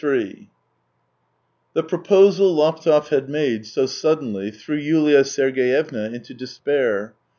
Ill The proposal Laptev had made so suddenly threw Yulia Sergeyevna into despair.